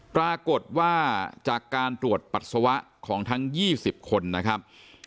ปรากฏว่าจากการตรวจปัสสาวะของทั้ง๒๐คนนะครับ